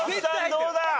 どうだ？